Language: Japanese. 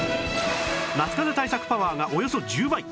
夏かぜ対策パワーがおよそ１０倍